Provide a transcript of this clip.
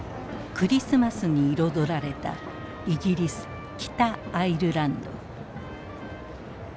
クリスマスに彩られたイギリス北アイルランド。